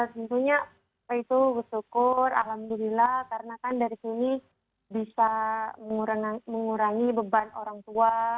tentunya itu bersyukur alhamdulillah karena kan dari sini bisa mengurangi beban orang tua